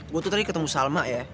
gue tuh tadi ketemu salma ya